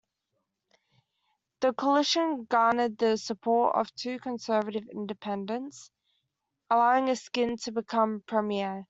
The Coalition garnered the support of two conservative independents, allowing Askin to become Premier.